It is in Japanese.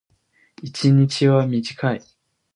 一日は短い。